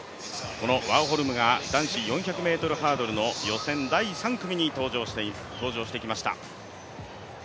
このワーホルムが男子４００ｍハードルの予選、第３組に登場してきました。